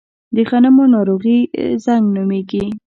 د غنمو ناروغي زنګ نومیږي.